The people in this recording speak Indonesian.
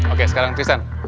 oke sekarang tristan